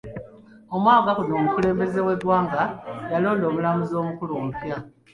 Omwaka guno omukulembeze w'eggwanga yalonda omulamuzi omukulu omupya.